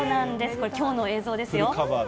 これ、きょうの映像ですよ。